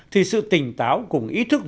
thì sự tỉnh táo cùng ý thức